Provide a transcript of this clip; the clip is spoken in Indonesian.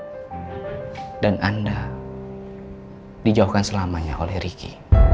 keisha dan anda dijauhkan selamanya oleh riki